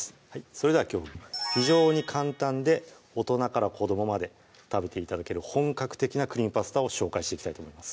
それではきょうは非常に簡単で大人から子どもまで食べて頂ける本格的な「クリームパスタ」を紹介していきたいと思います